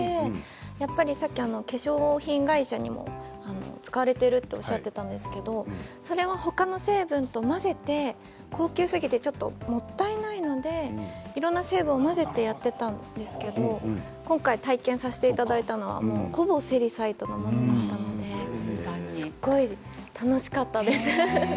やっぱりさっき化粧品会社にも使われているとおっしゃっていたんですけれどそれは他の成分と混ぜて高級すぎてちょっともったいないのでいろいろな成分を混ぜてやっていたんですけれど今回体験させていただいたのはほぼセリサイトのものだったのですごい楽しかったです。